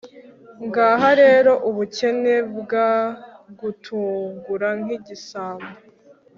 ngaha rero ubukene bwagutungura nk'igisambo